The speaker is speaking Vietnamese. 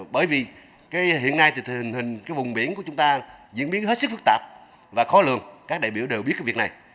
bởi vì hiện nay hình hình cái vùng biển của chúng ta diễn biến hết sức phức tạp và khó lường các đại biểu đều biết cái việc này